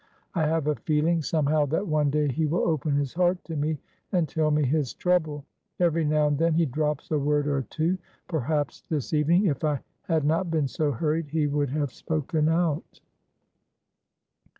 I have a feeling somehow that one day he will open his heart to me and tell me his trouble. Every now and then he drops a word or two; perhaps this evening, if I had not been so hurried, he would have spoken out."